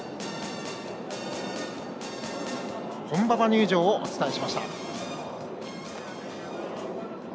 本馬場入場をお伝えしました。